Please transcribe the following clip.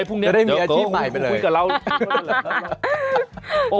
ยังอยู่ก่อน